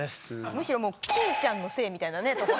むしろ欽ちゃんのせいみたいなとこ。